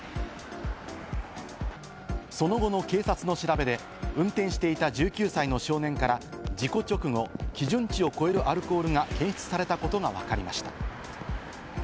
その後の警察の調べで、運転していた１９歳の少年から事故直後、基準値を超えるアルコールが検出されたことがわかりました。